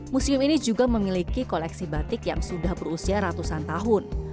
museum ini juga memiliki koleksi batik yang sudah berusia ratusan tahun